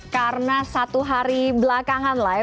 karena satu hari belakangan lah ya